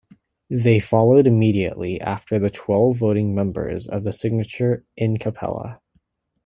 They followed immediately after the twelve voting members of the Signature "in capella".